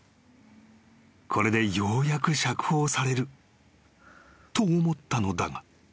［これでようやく釈放されると思ったのだが］